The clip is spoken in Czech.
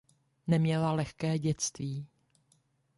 Neměla lehké dětství.